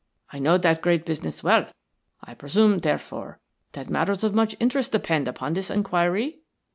I know that great business well; I presume, therefore, that matters of much interest depend upon this inquiry?